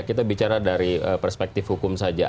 kita bicara dari perspektif hukum saja